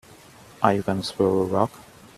Are you gonna throw a rock?